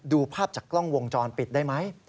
ดูภาพจากกล้องวงจรปิดได้ไหม